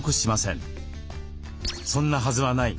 「そんなはずはない。